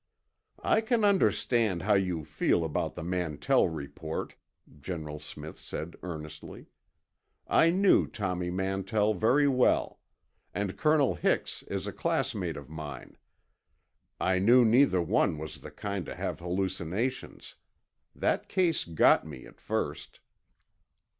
"I can understand how you feel about the Mantell report," General Smith said earnestly. "I knew Tommy Mantell very well. And Colonel Hix is a classmate of mine. I knew neither one was the kind to have hallucinations. That case got me, at first."